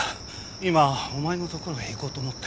今お前のところへ行こうと思って。